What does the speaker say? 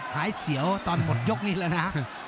หายเสียวตอนหมดยกนี้แล้วนะ